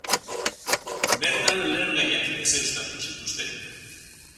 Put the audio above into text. Bertan, lehergaiak deuseztatu zituzten.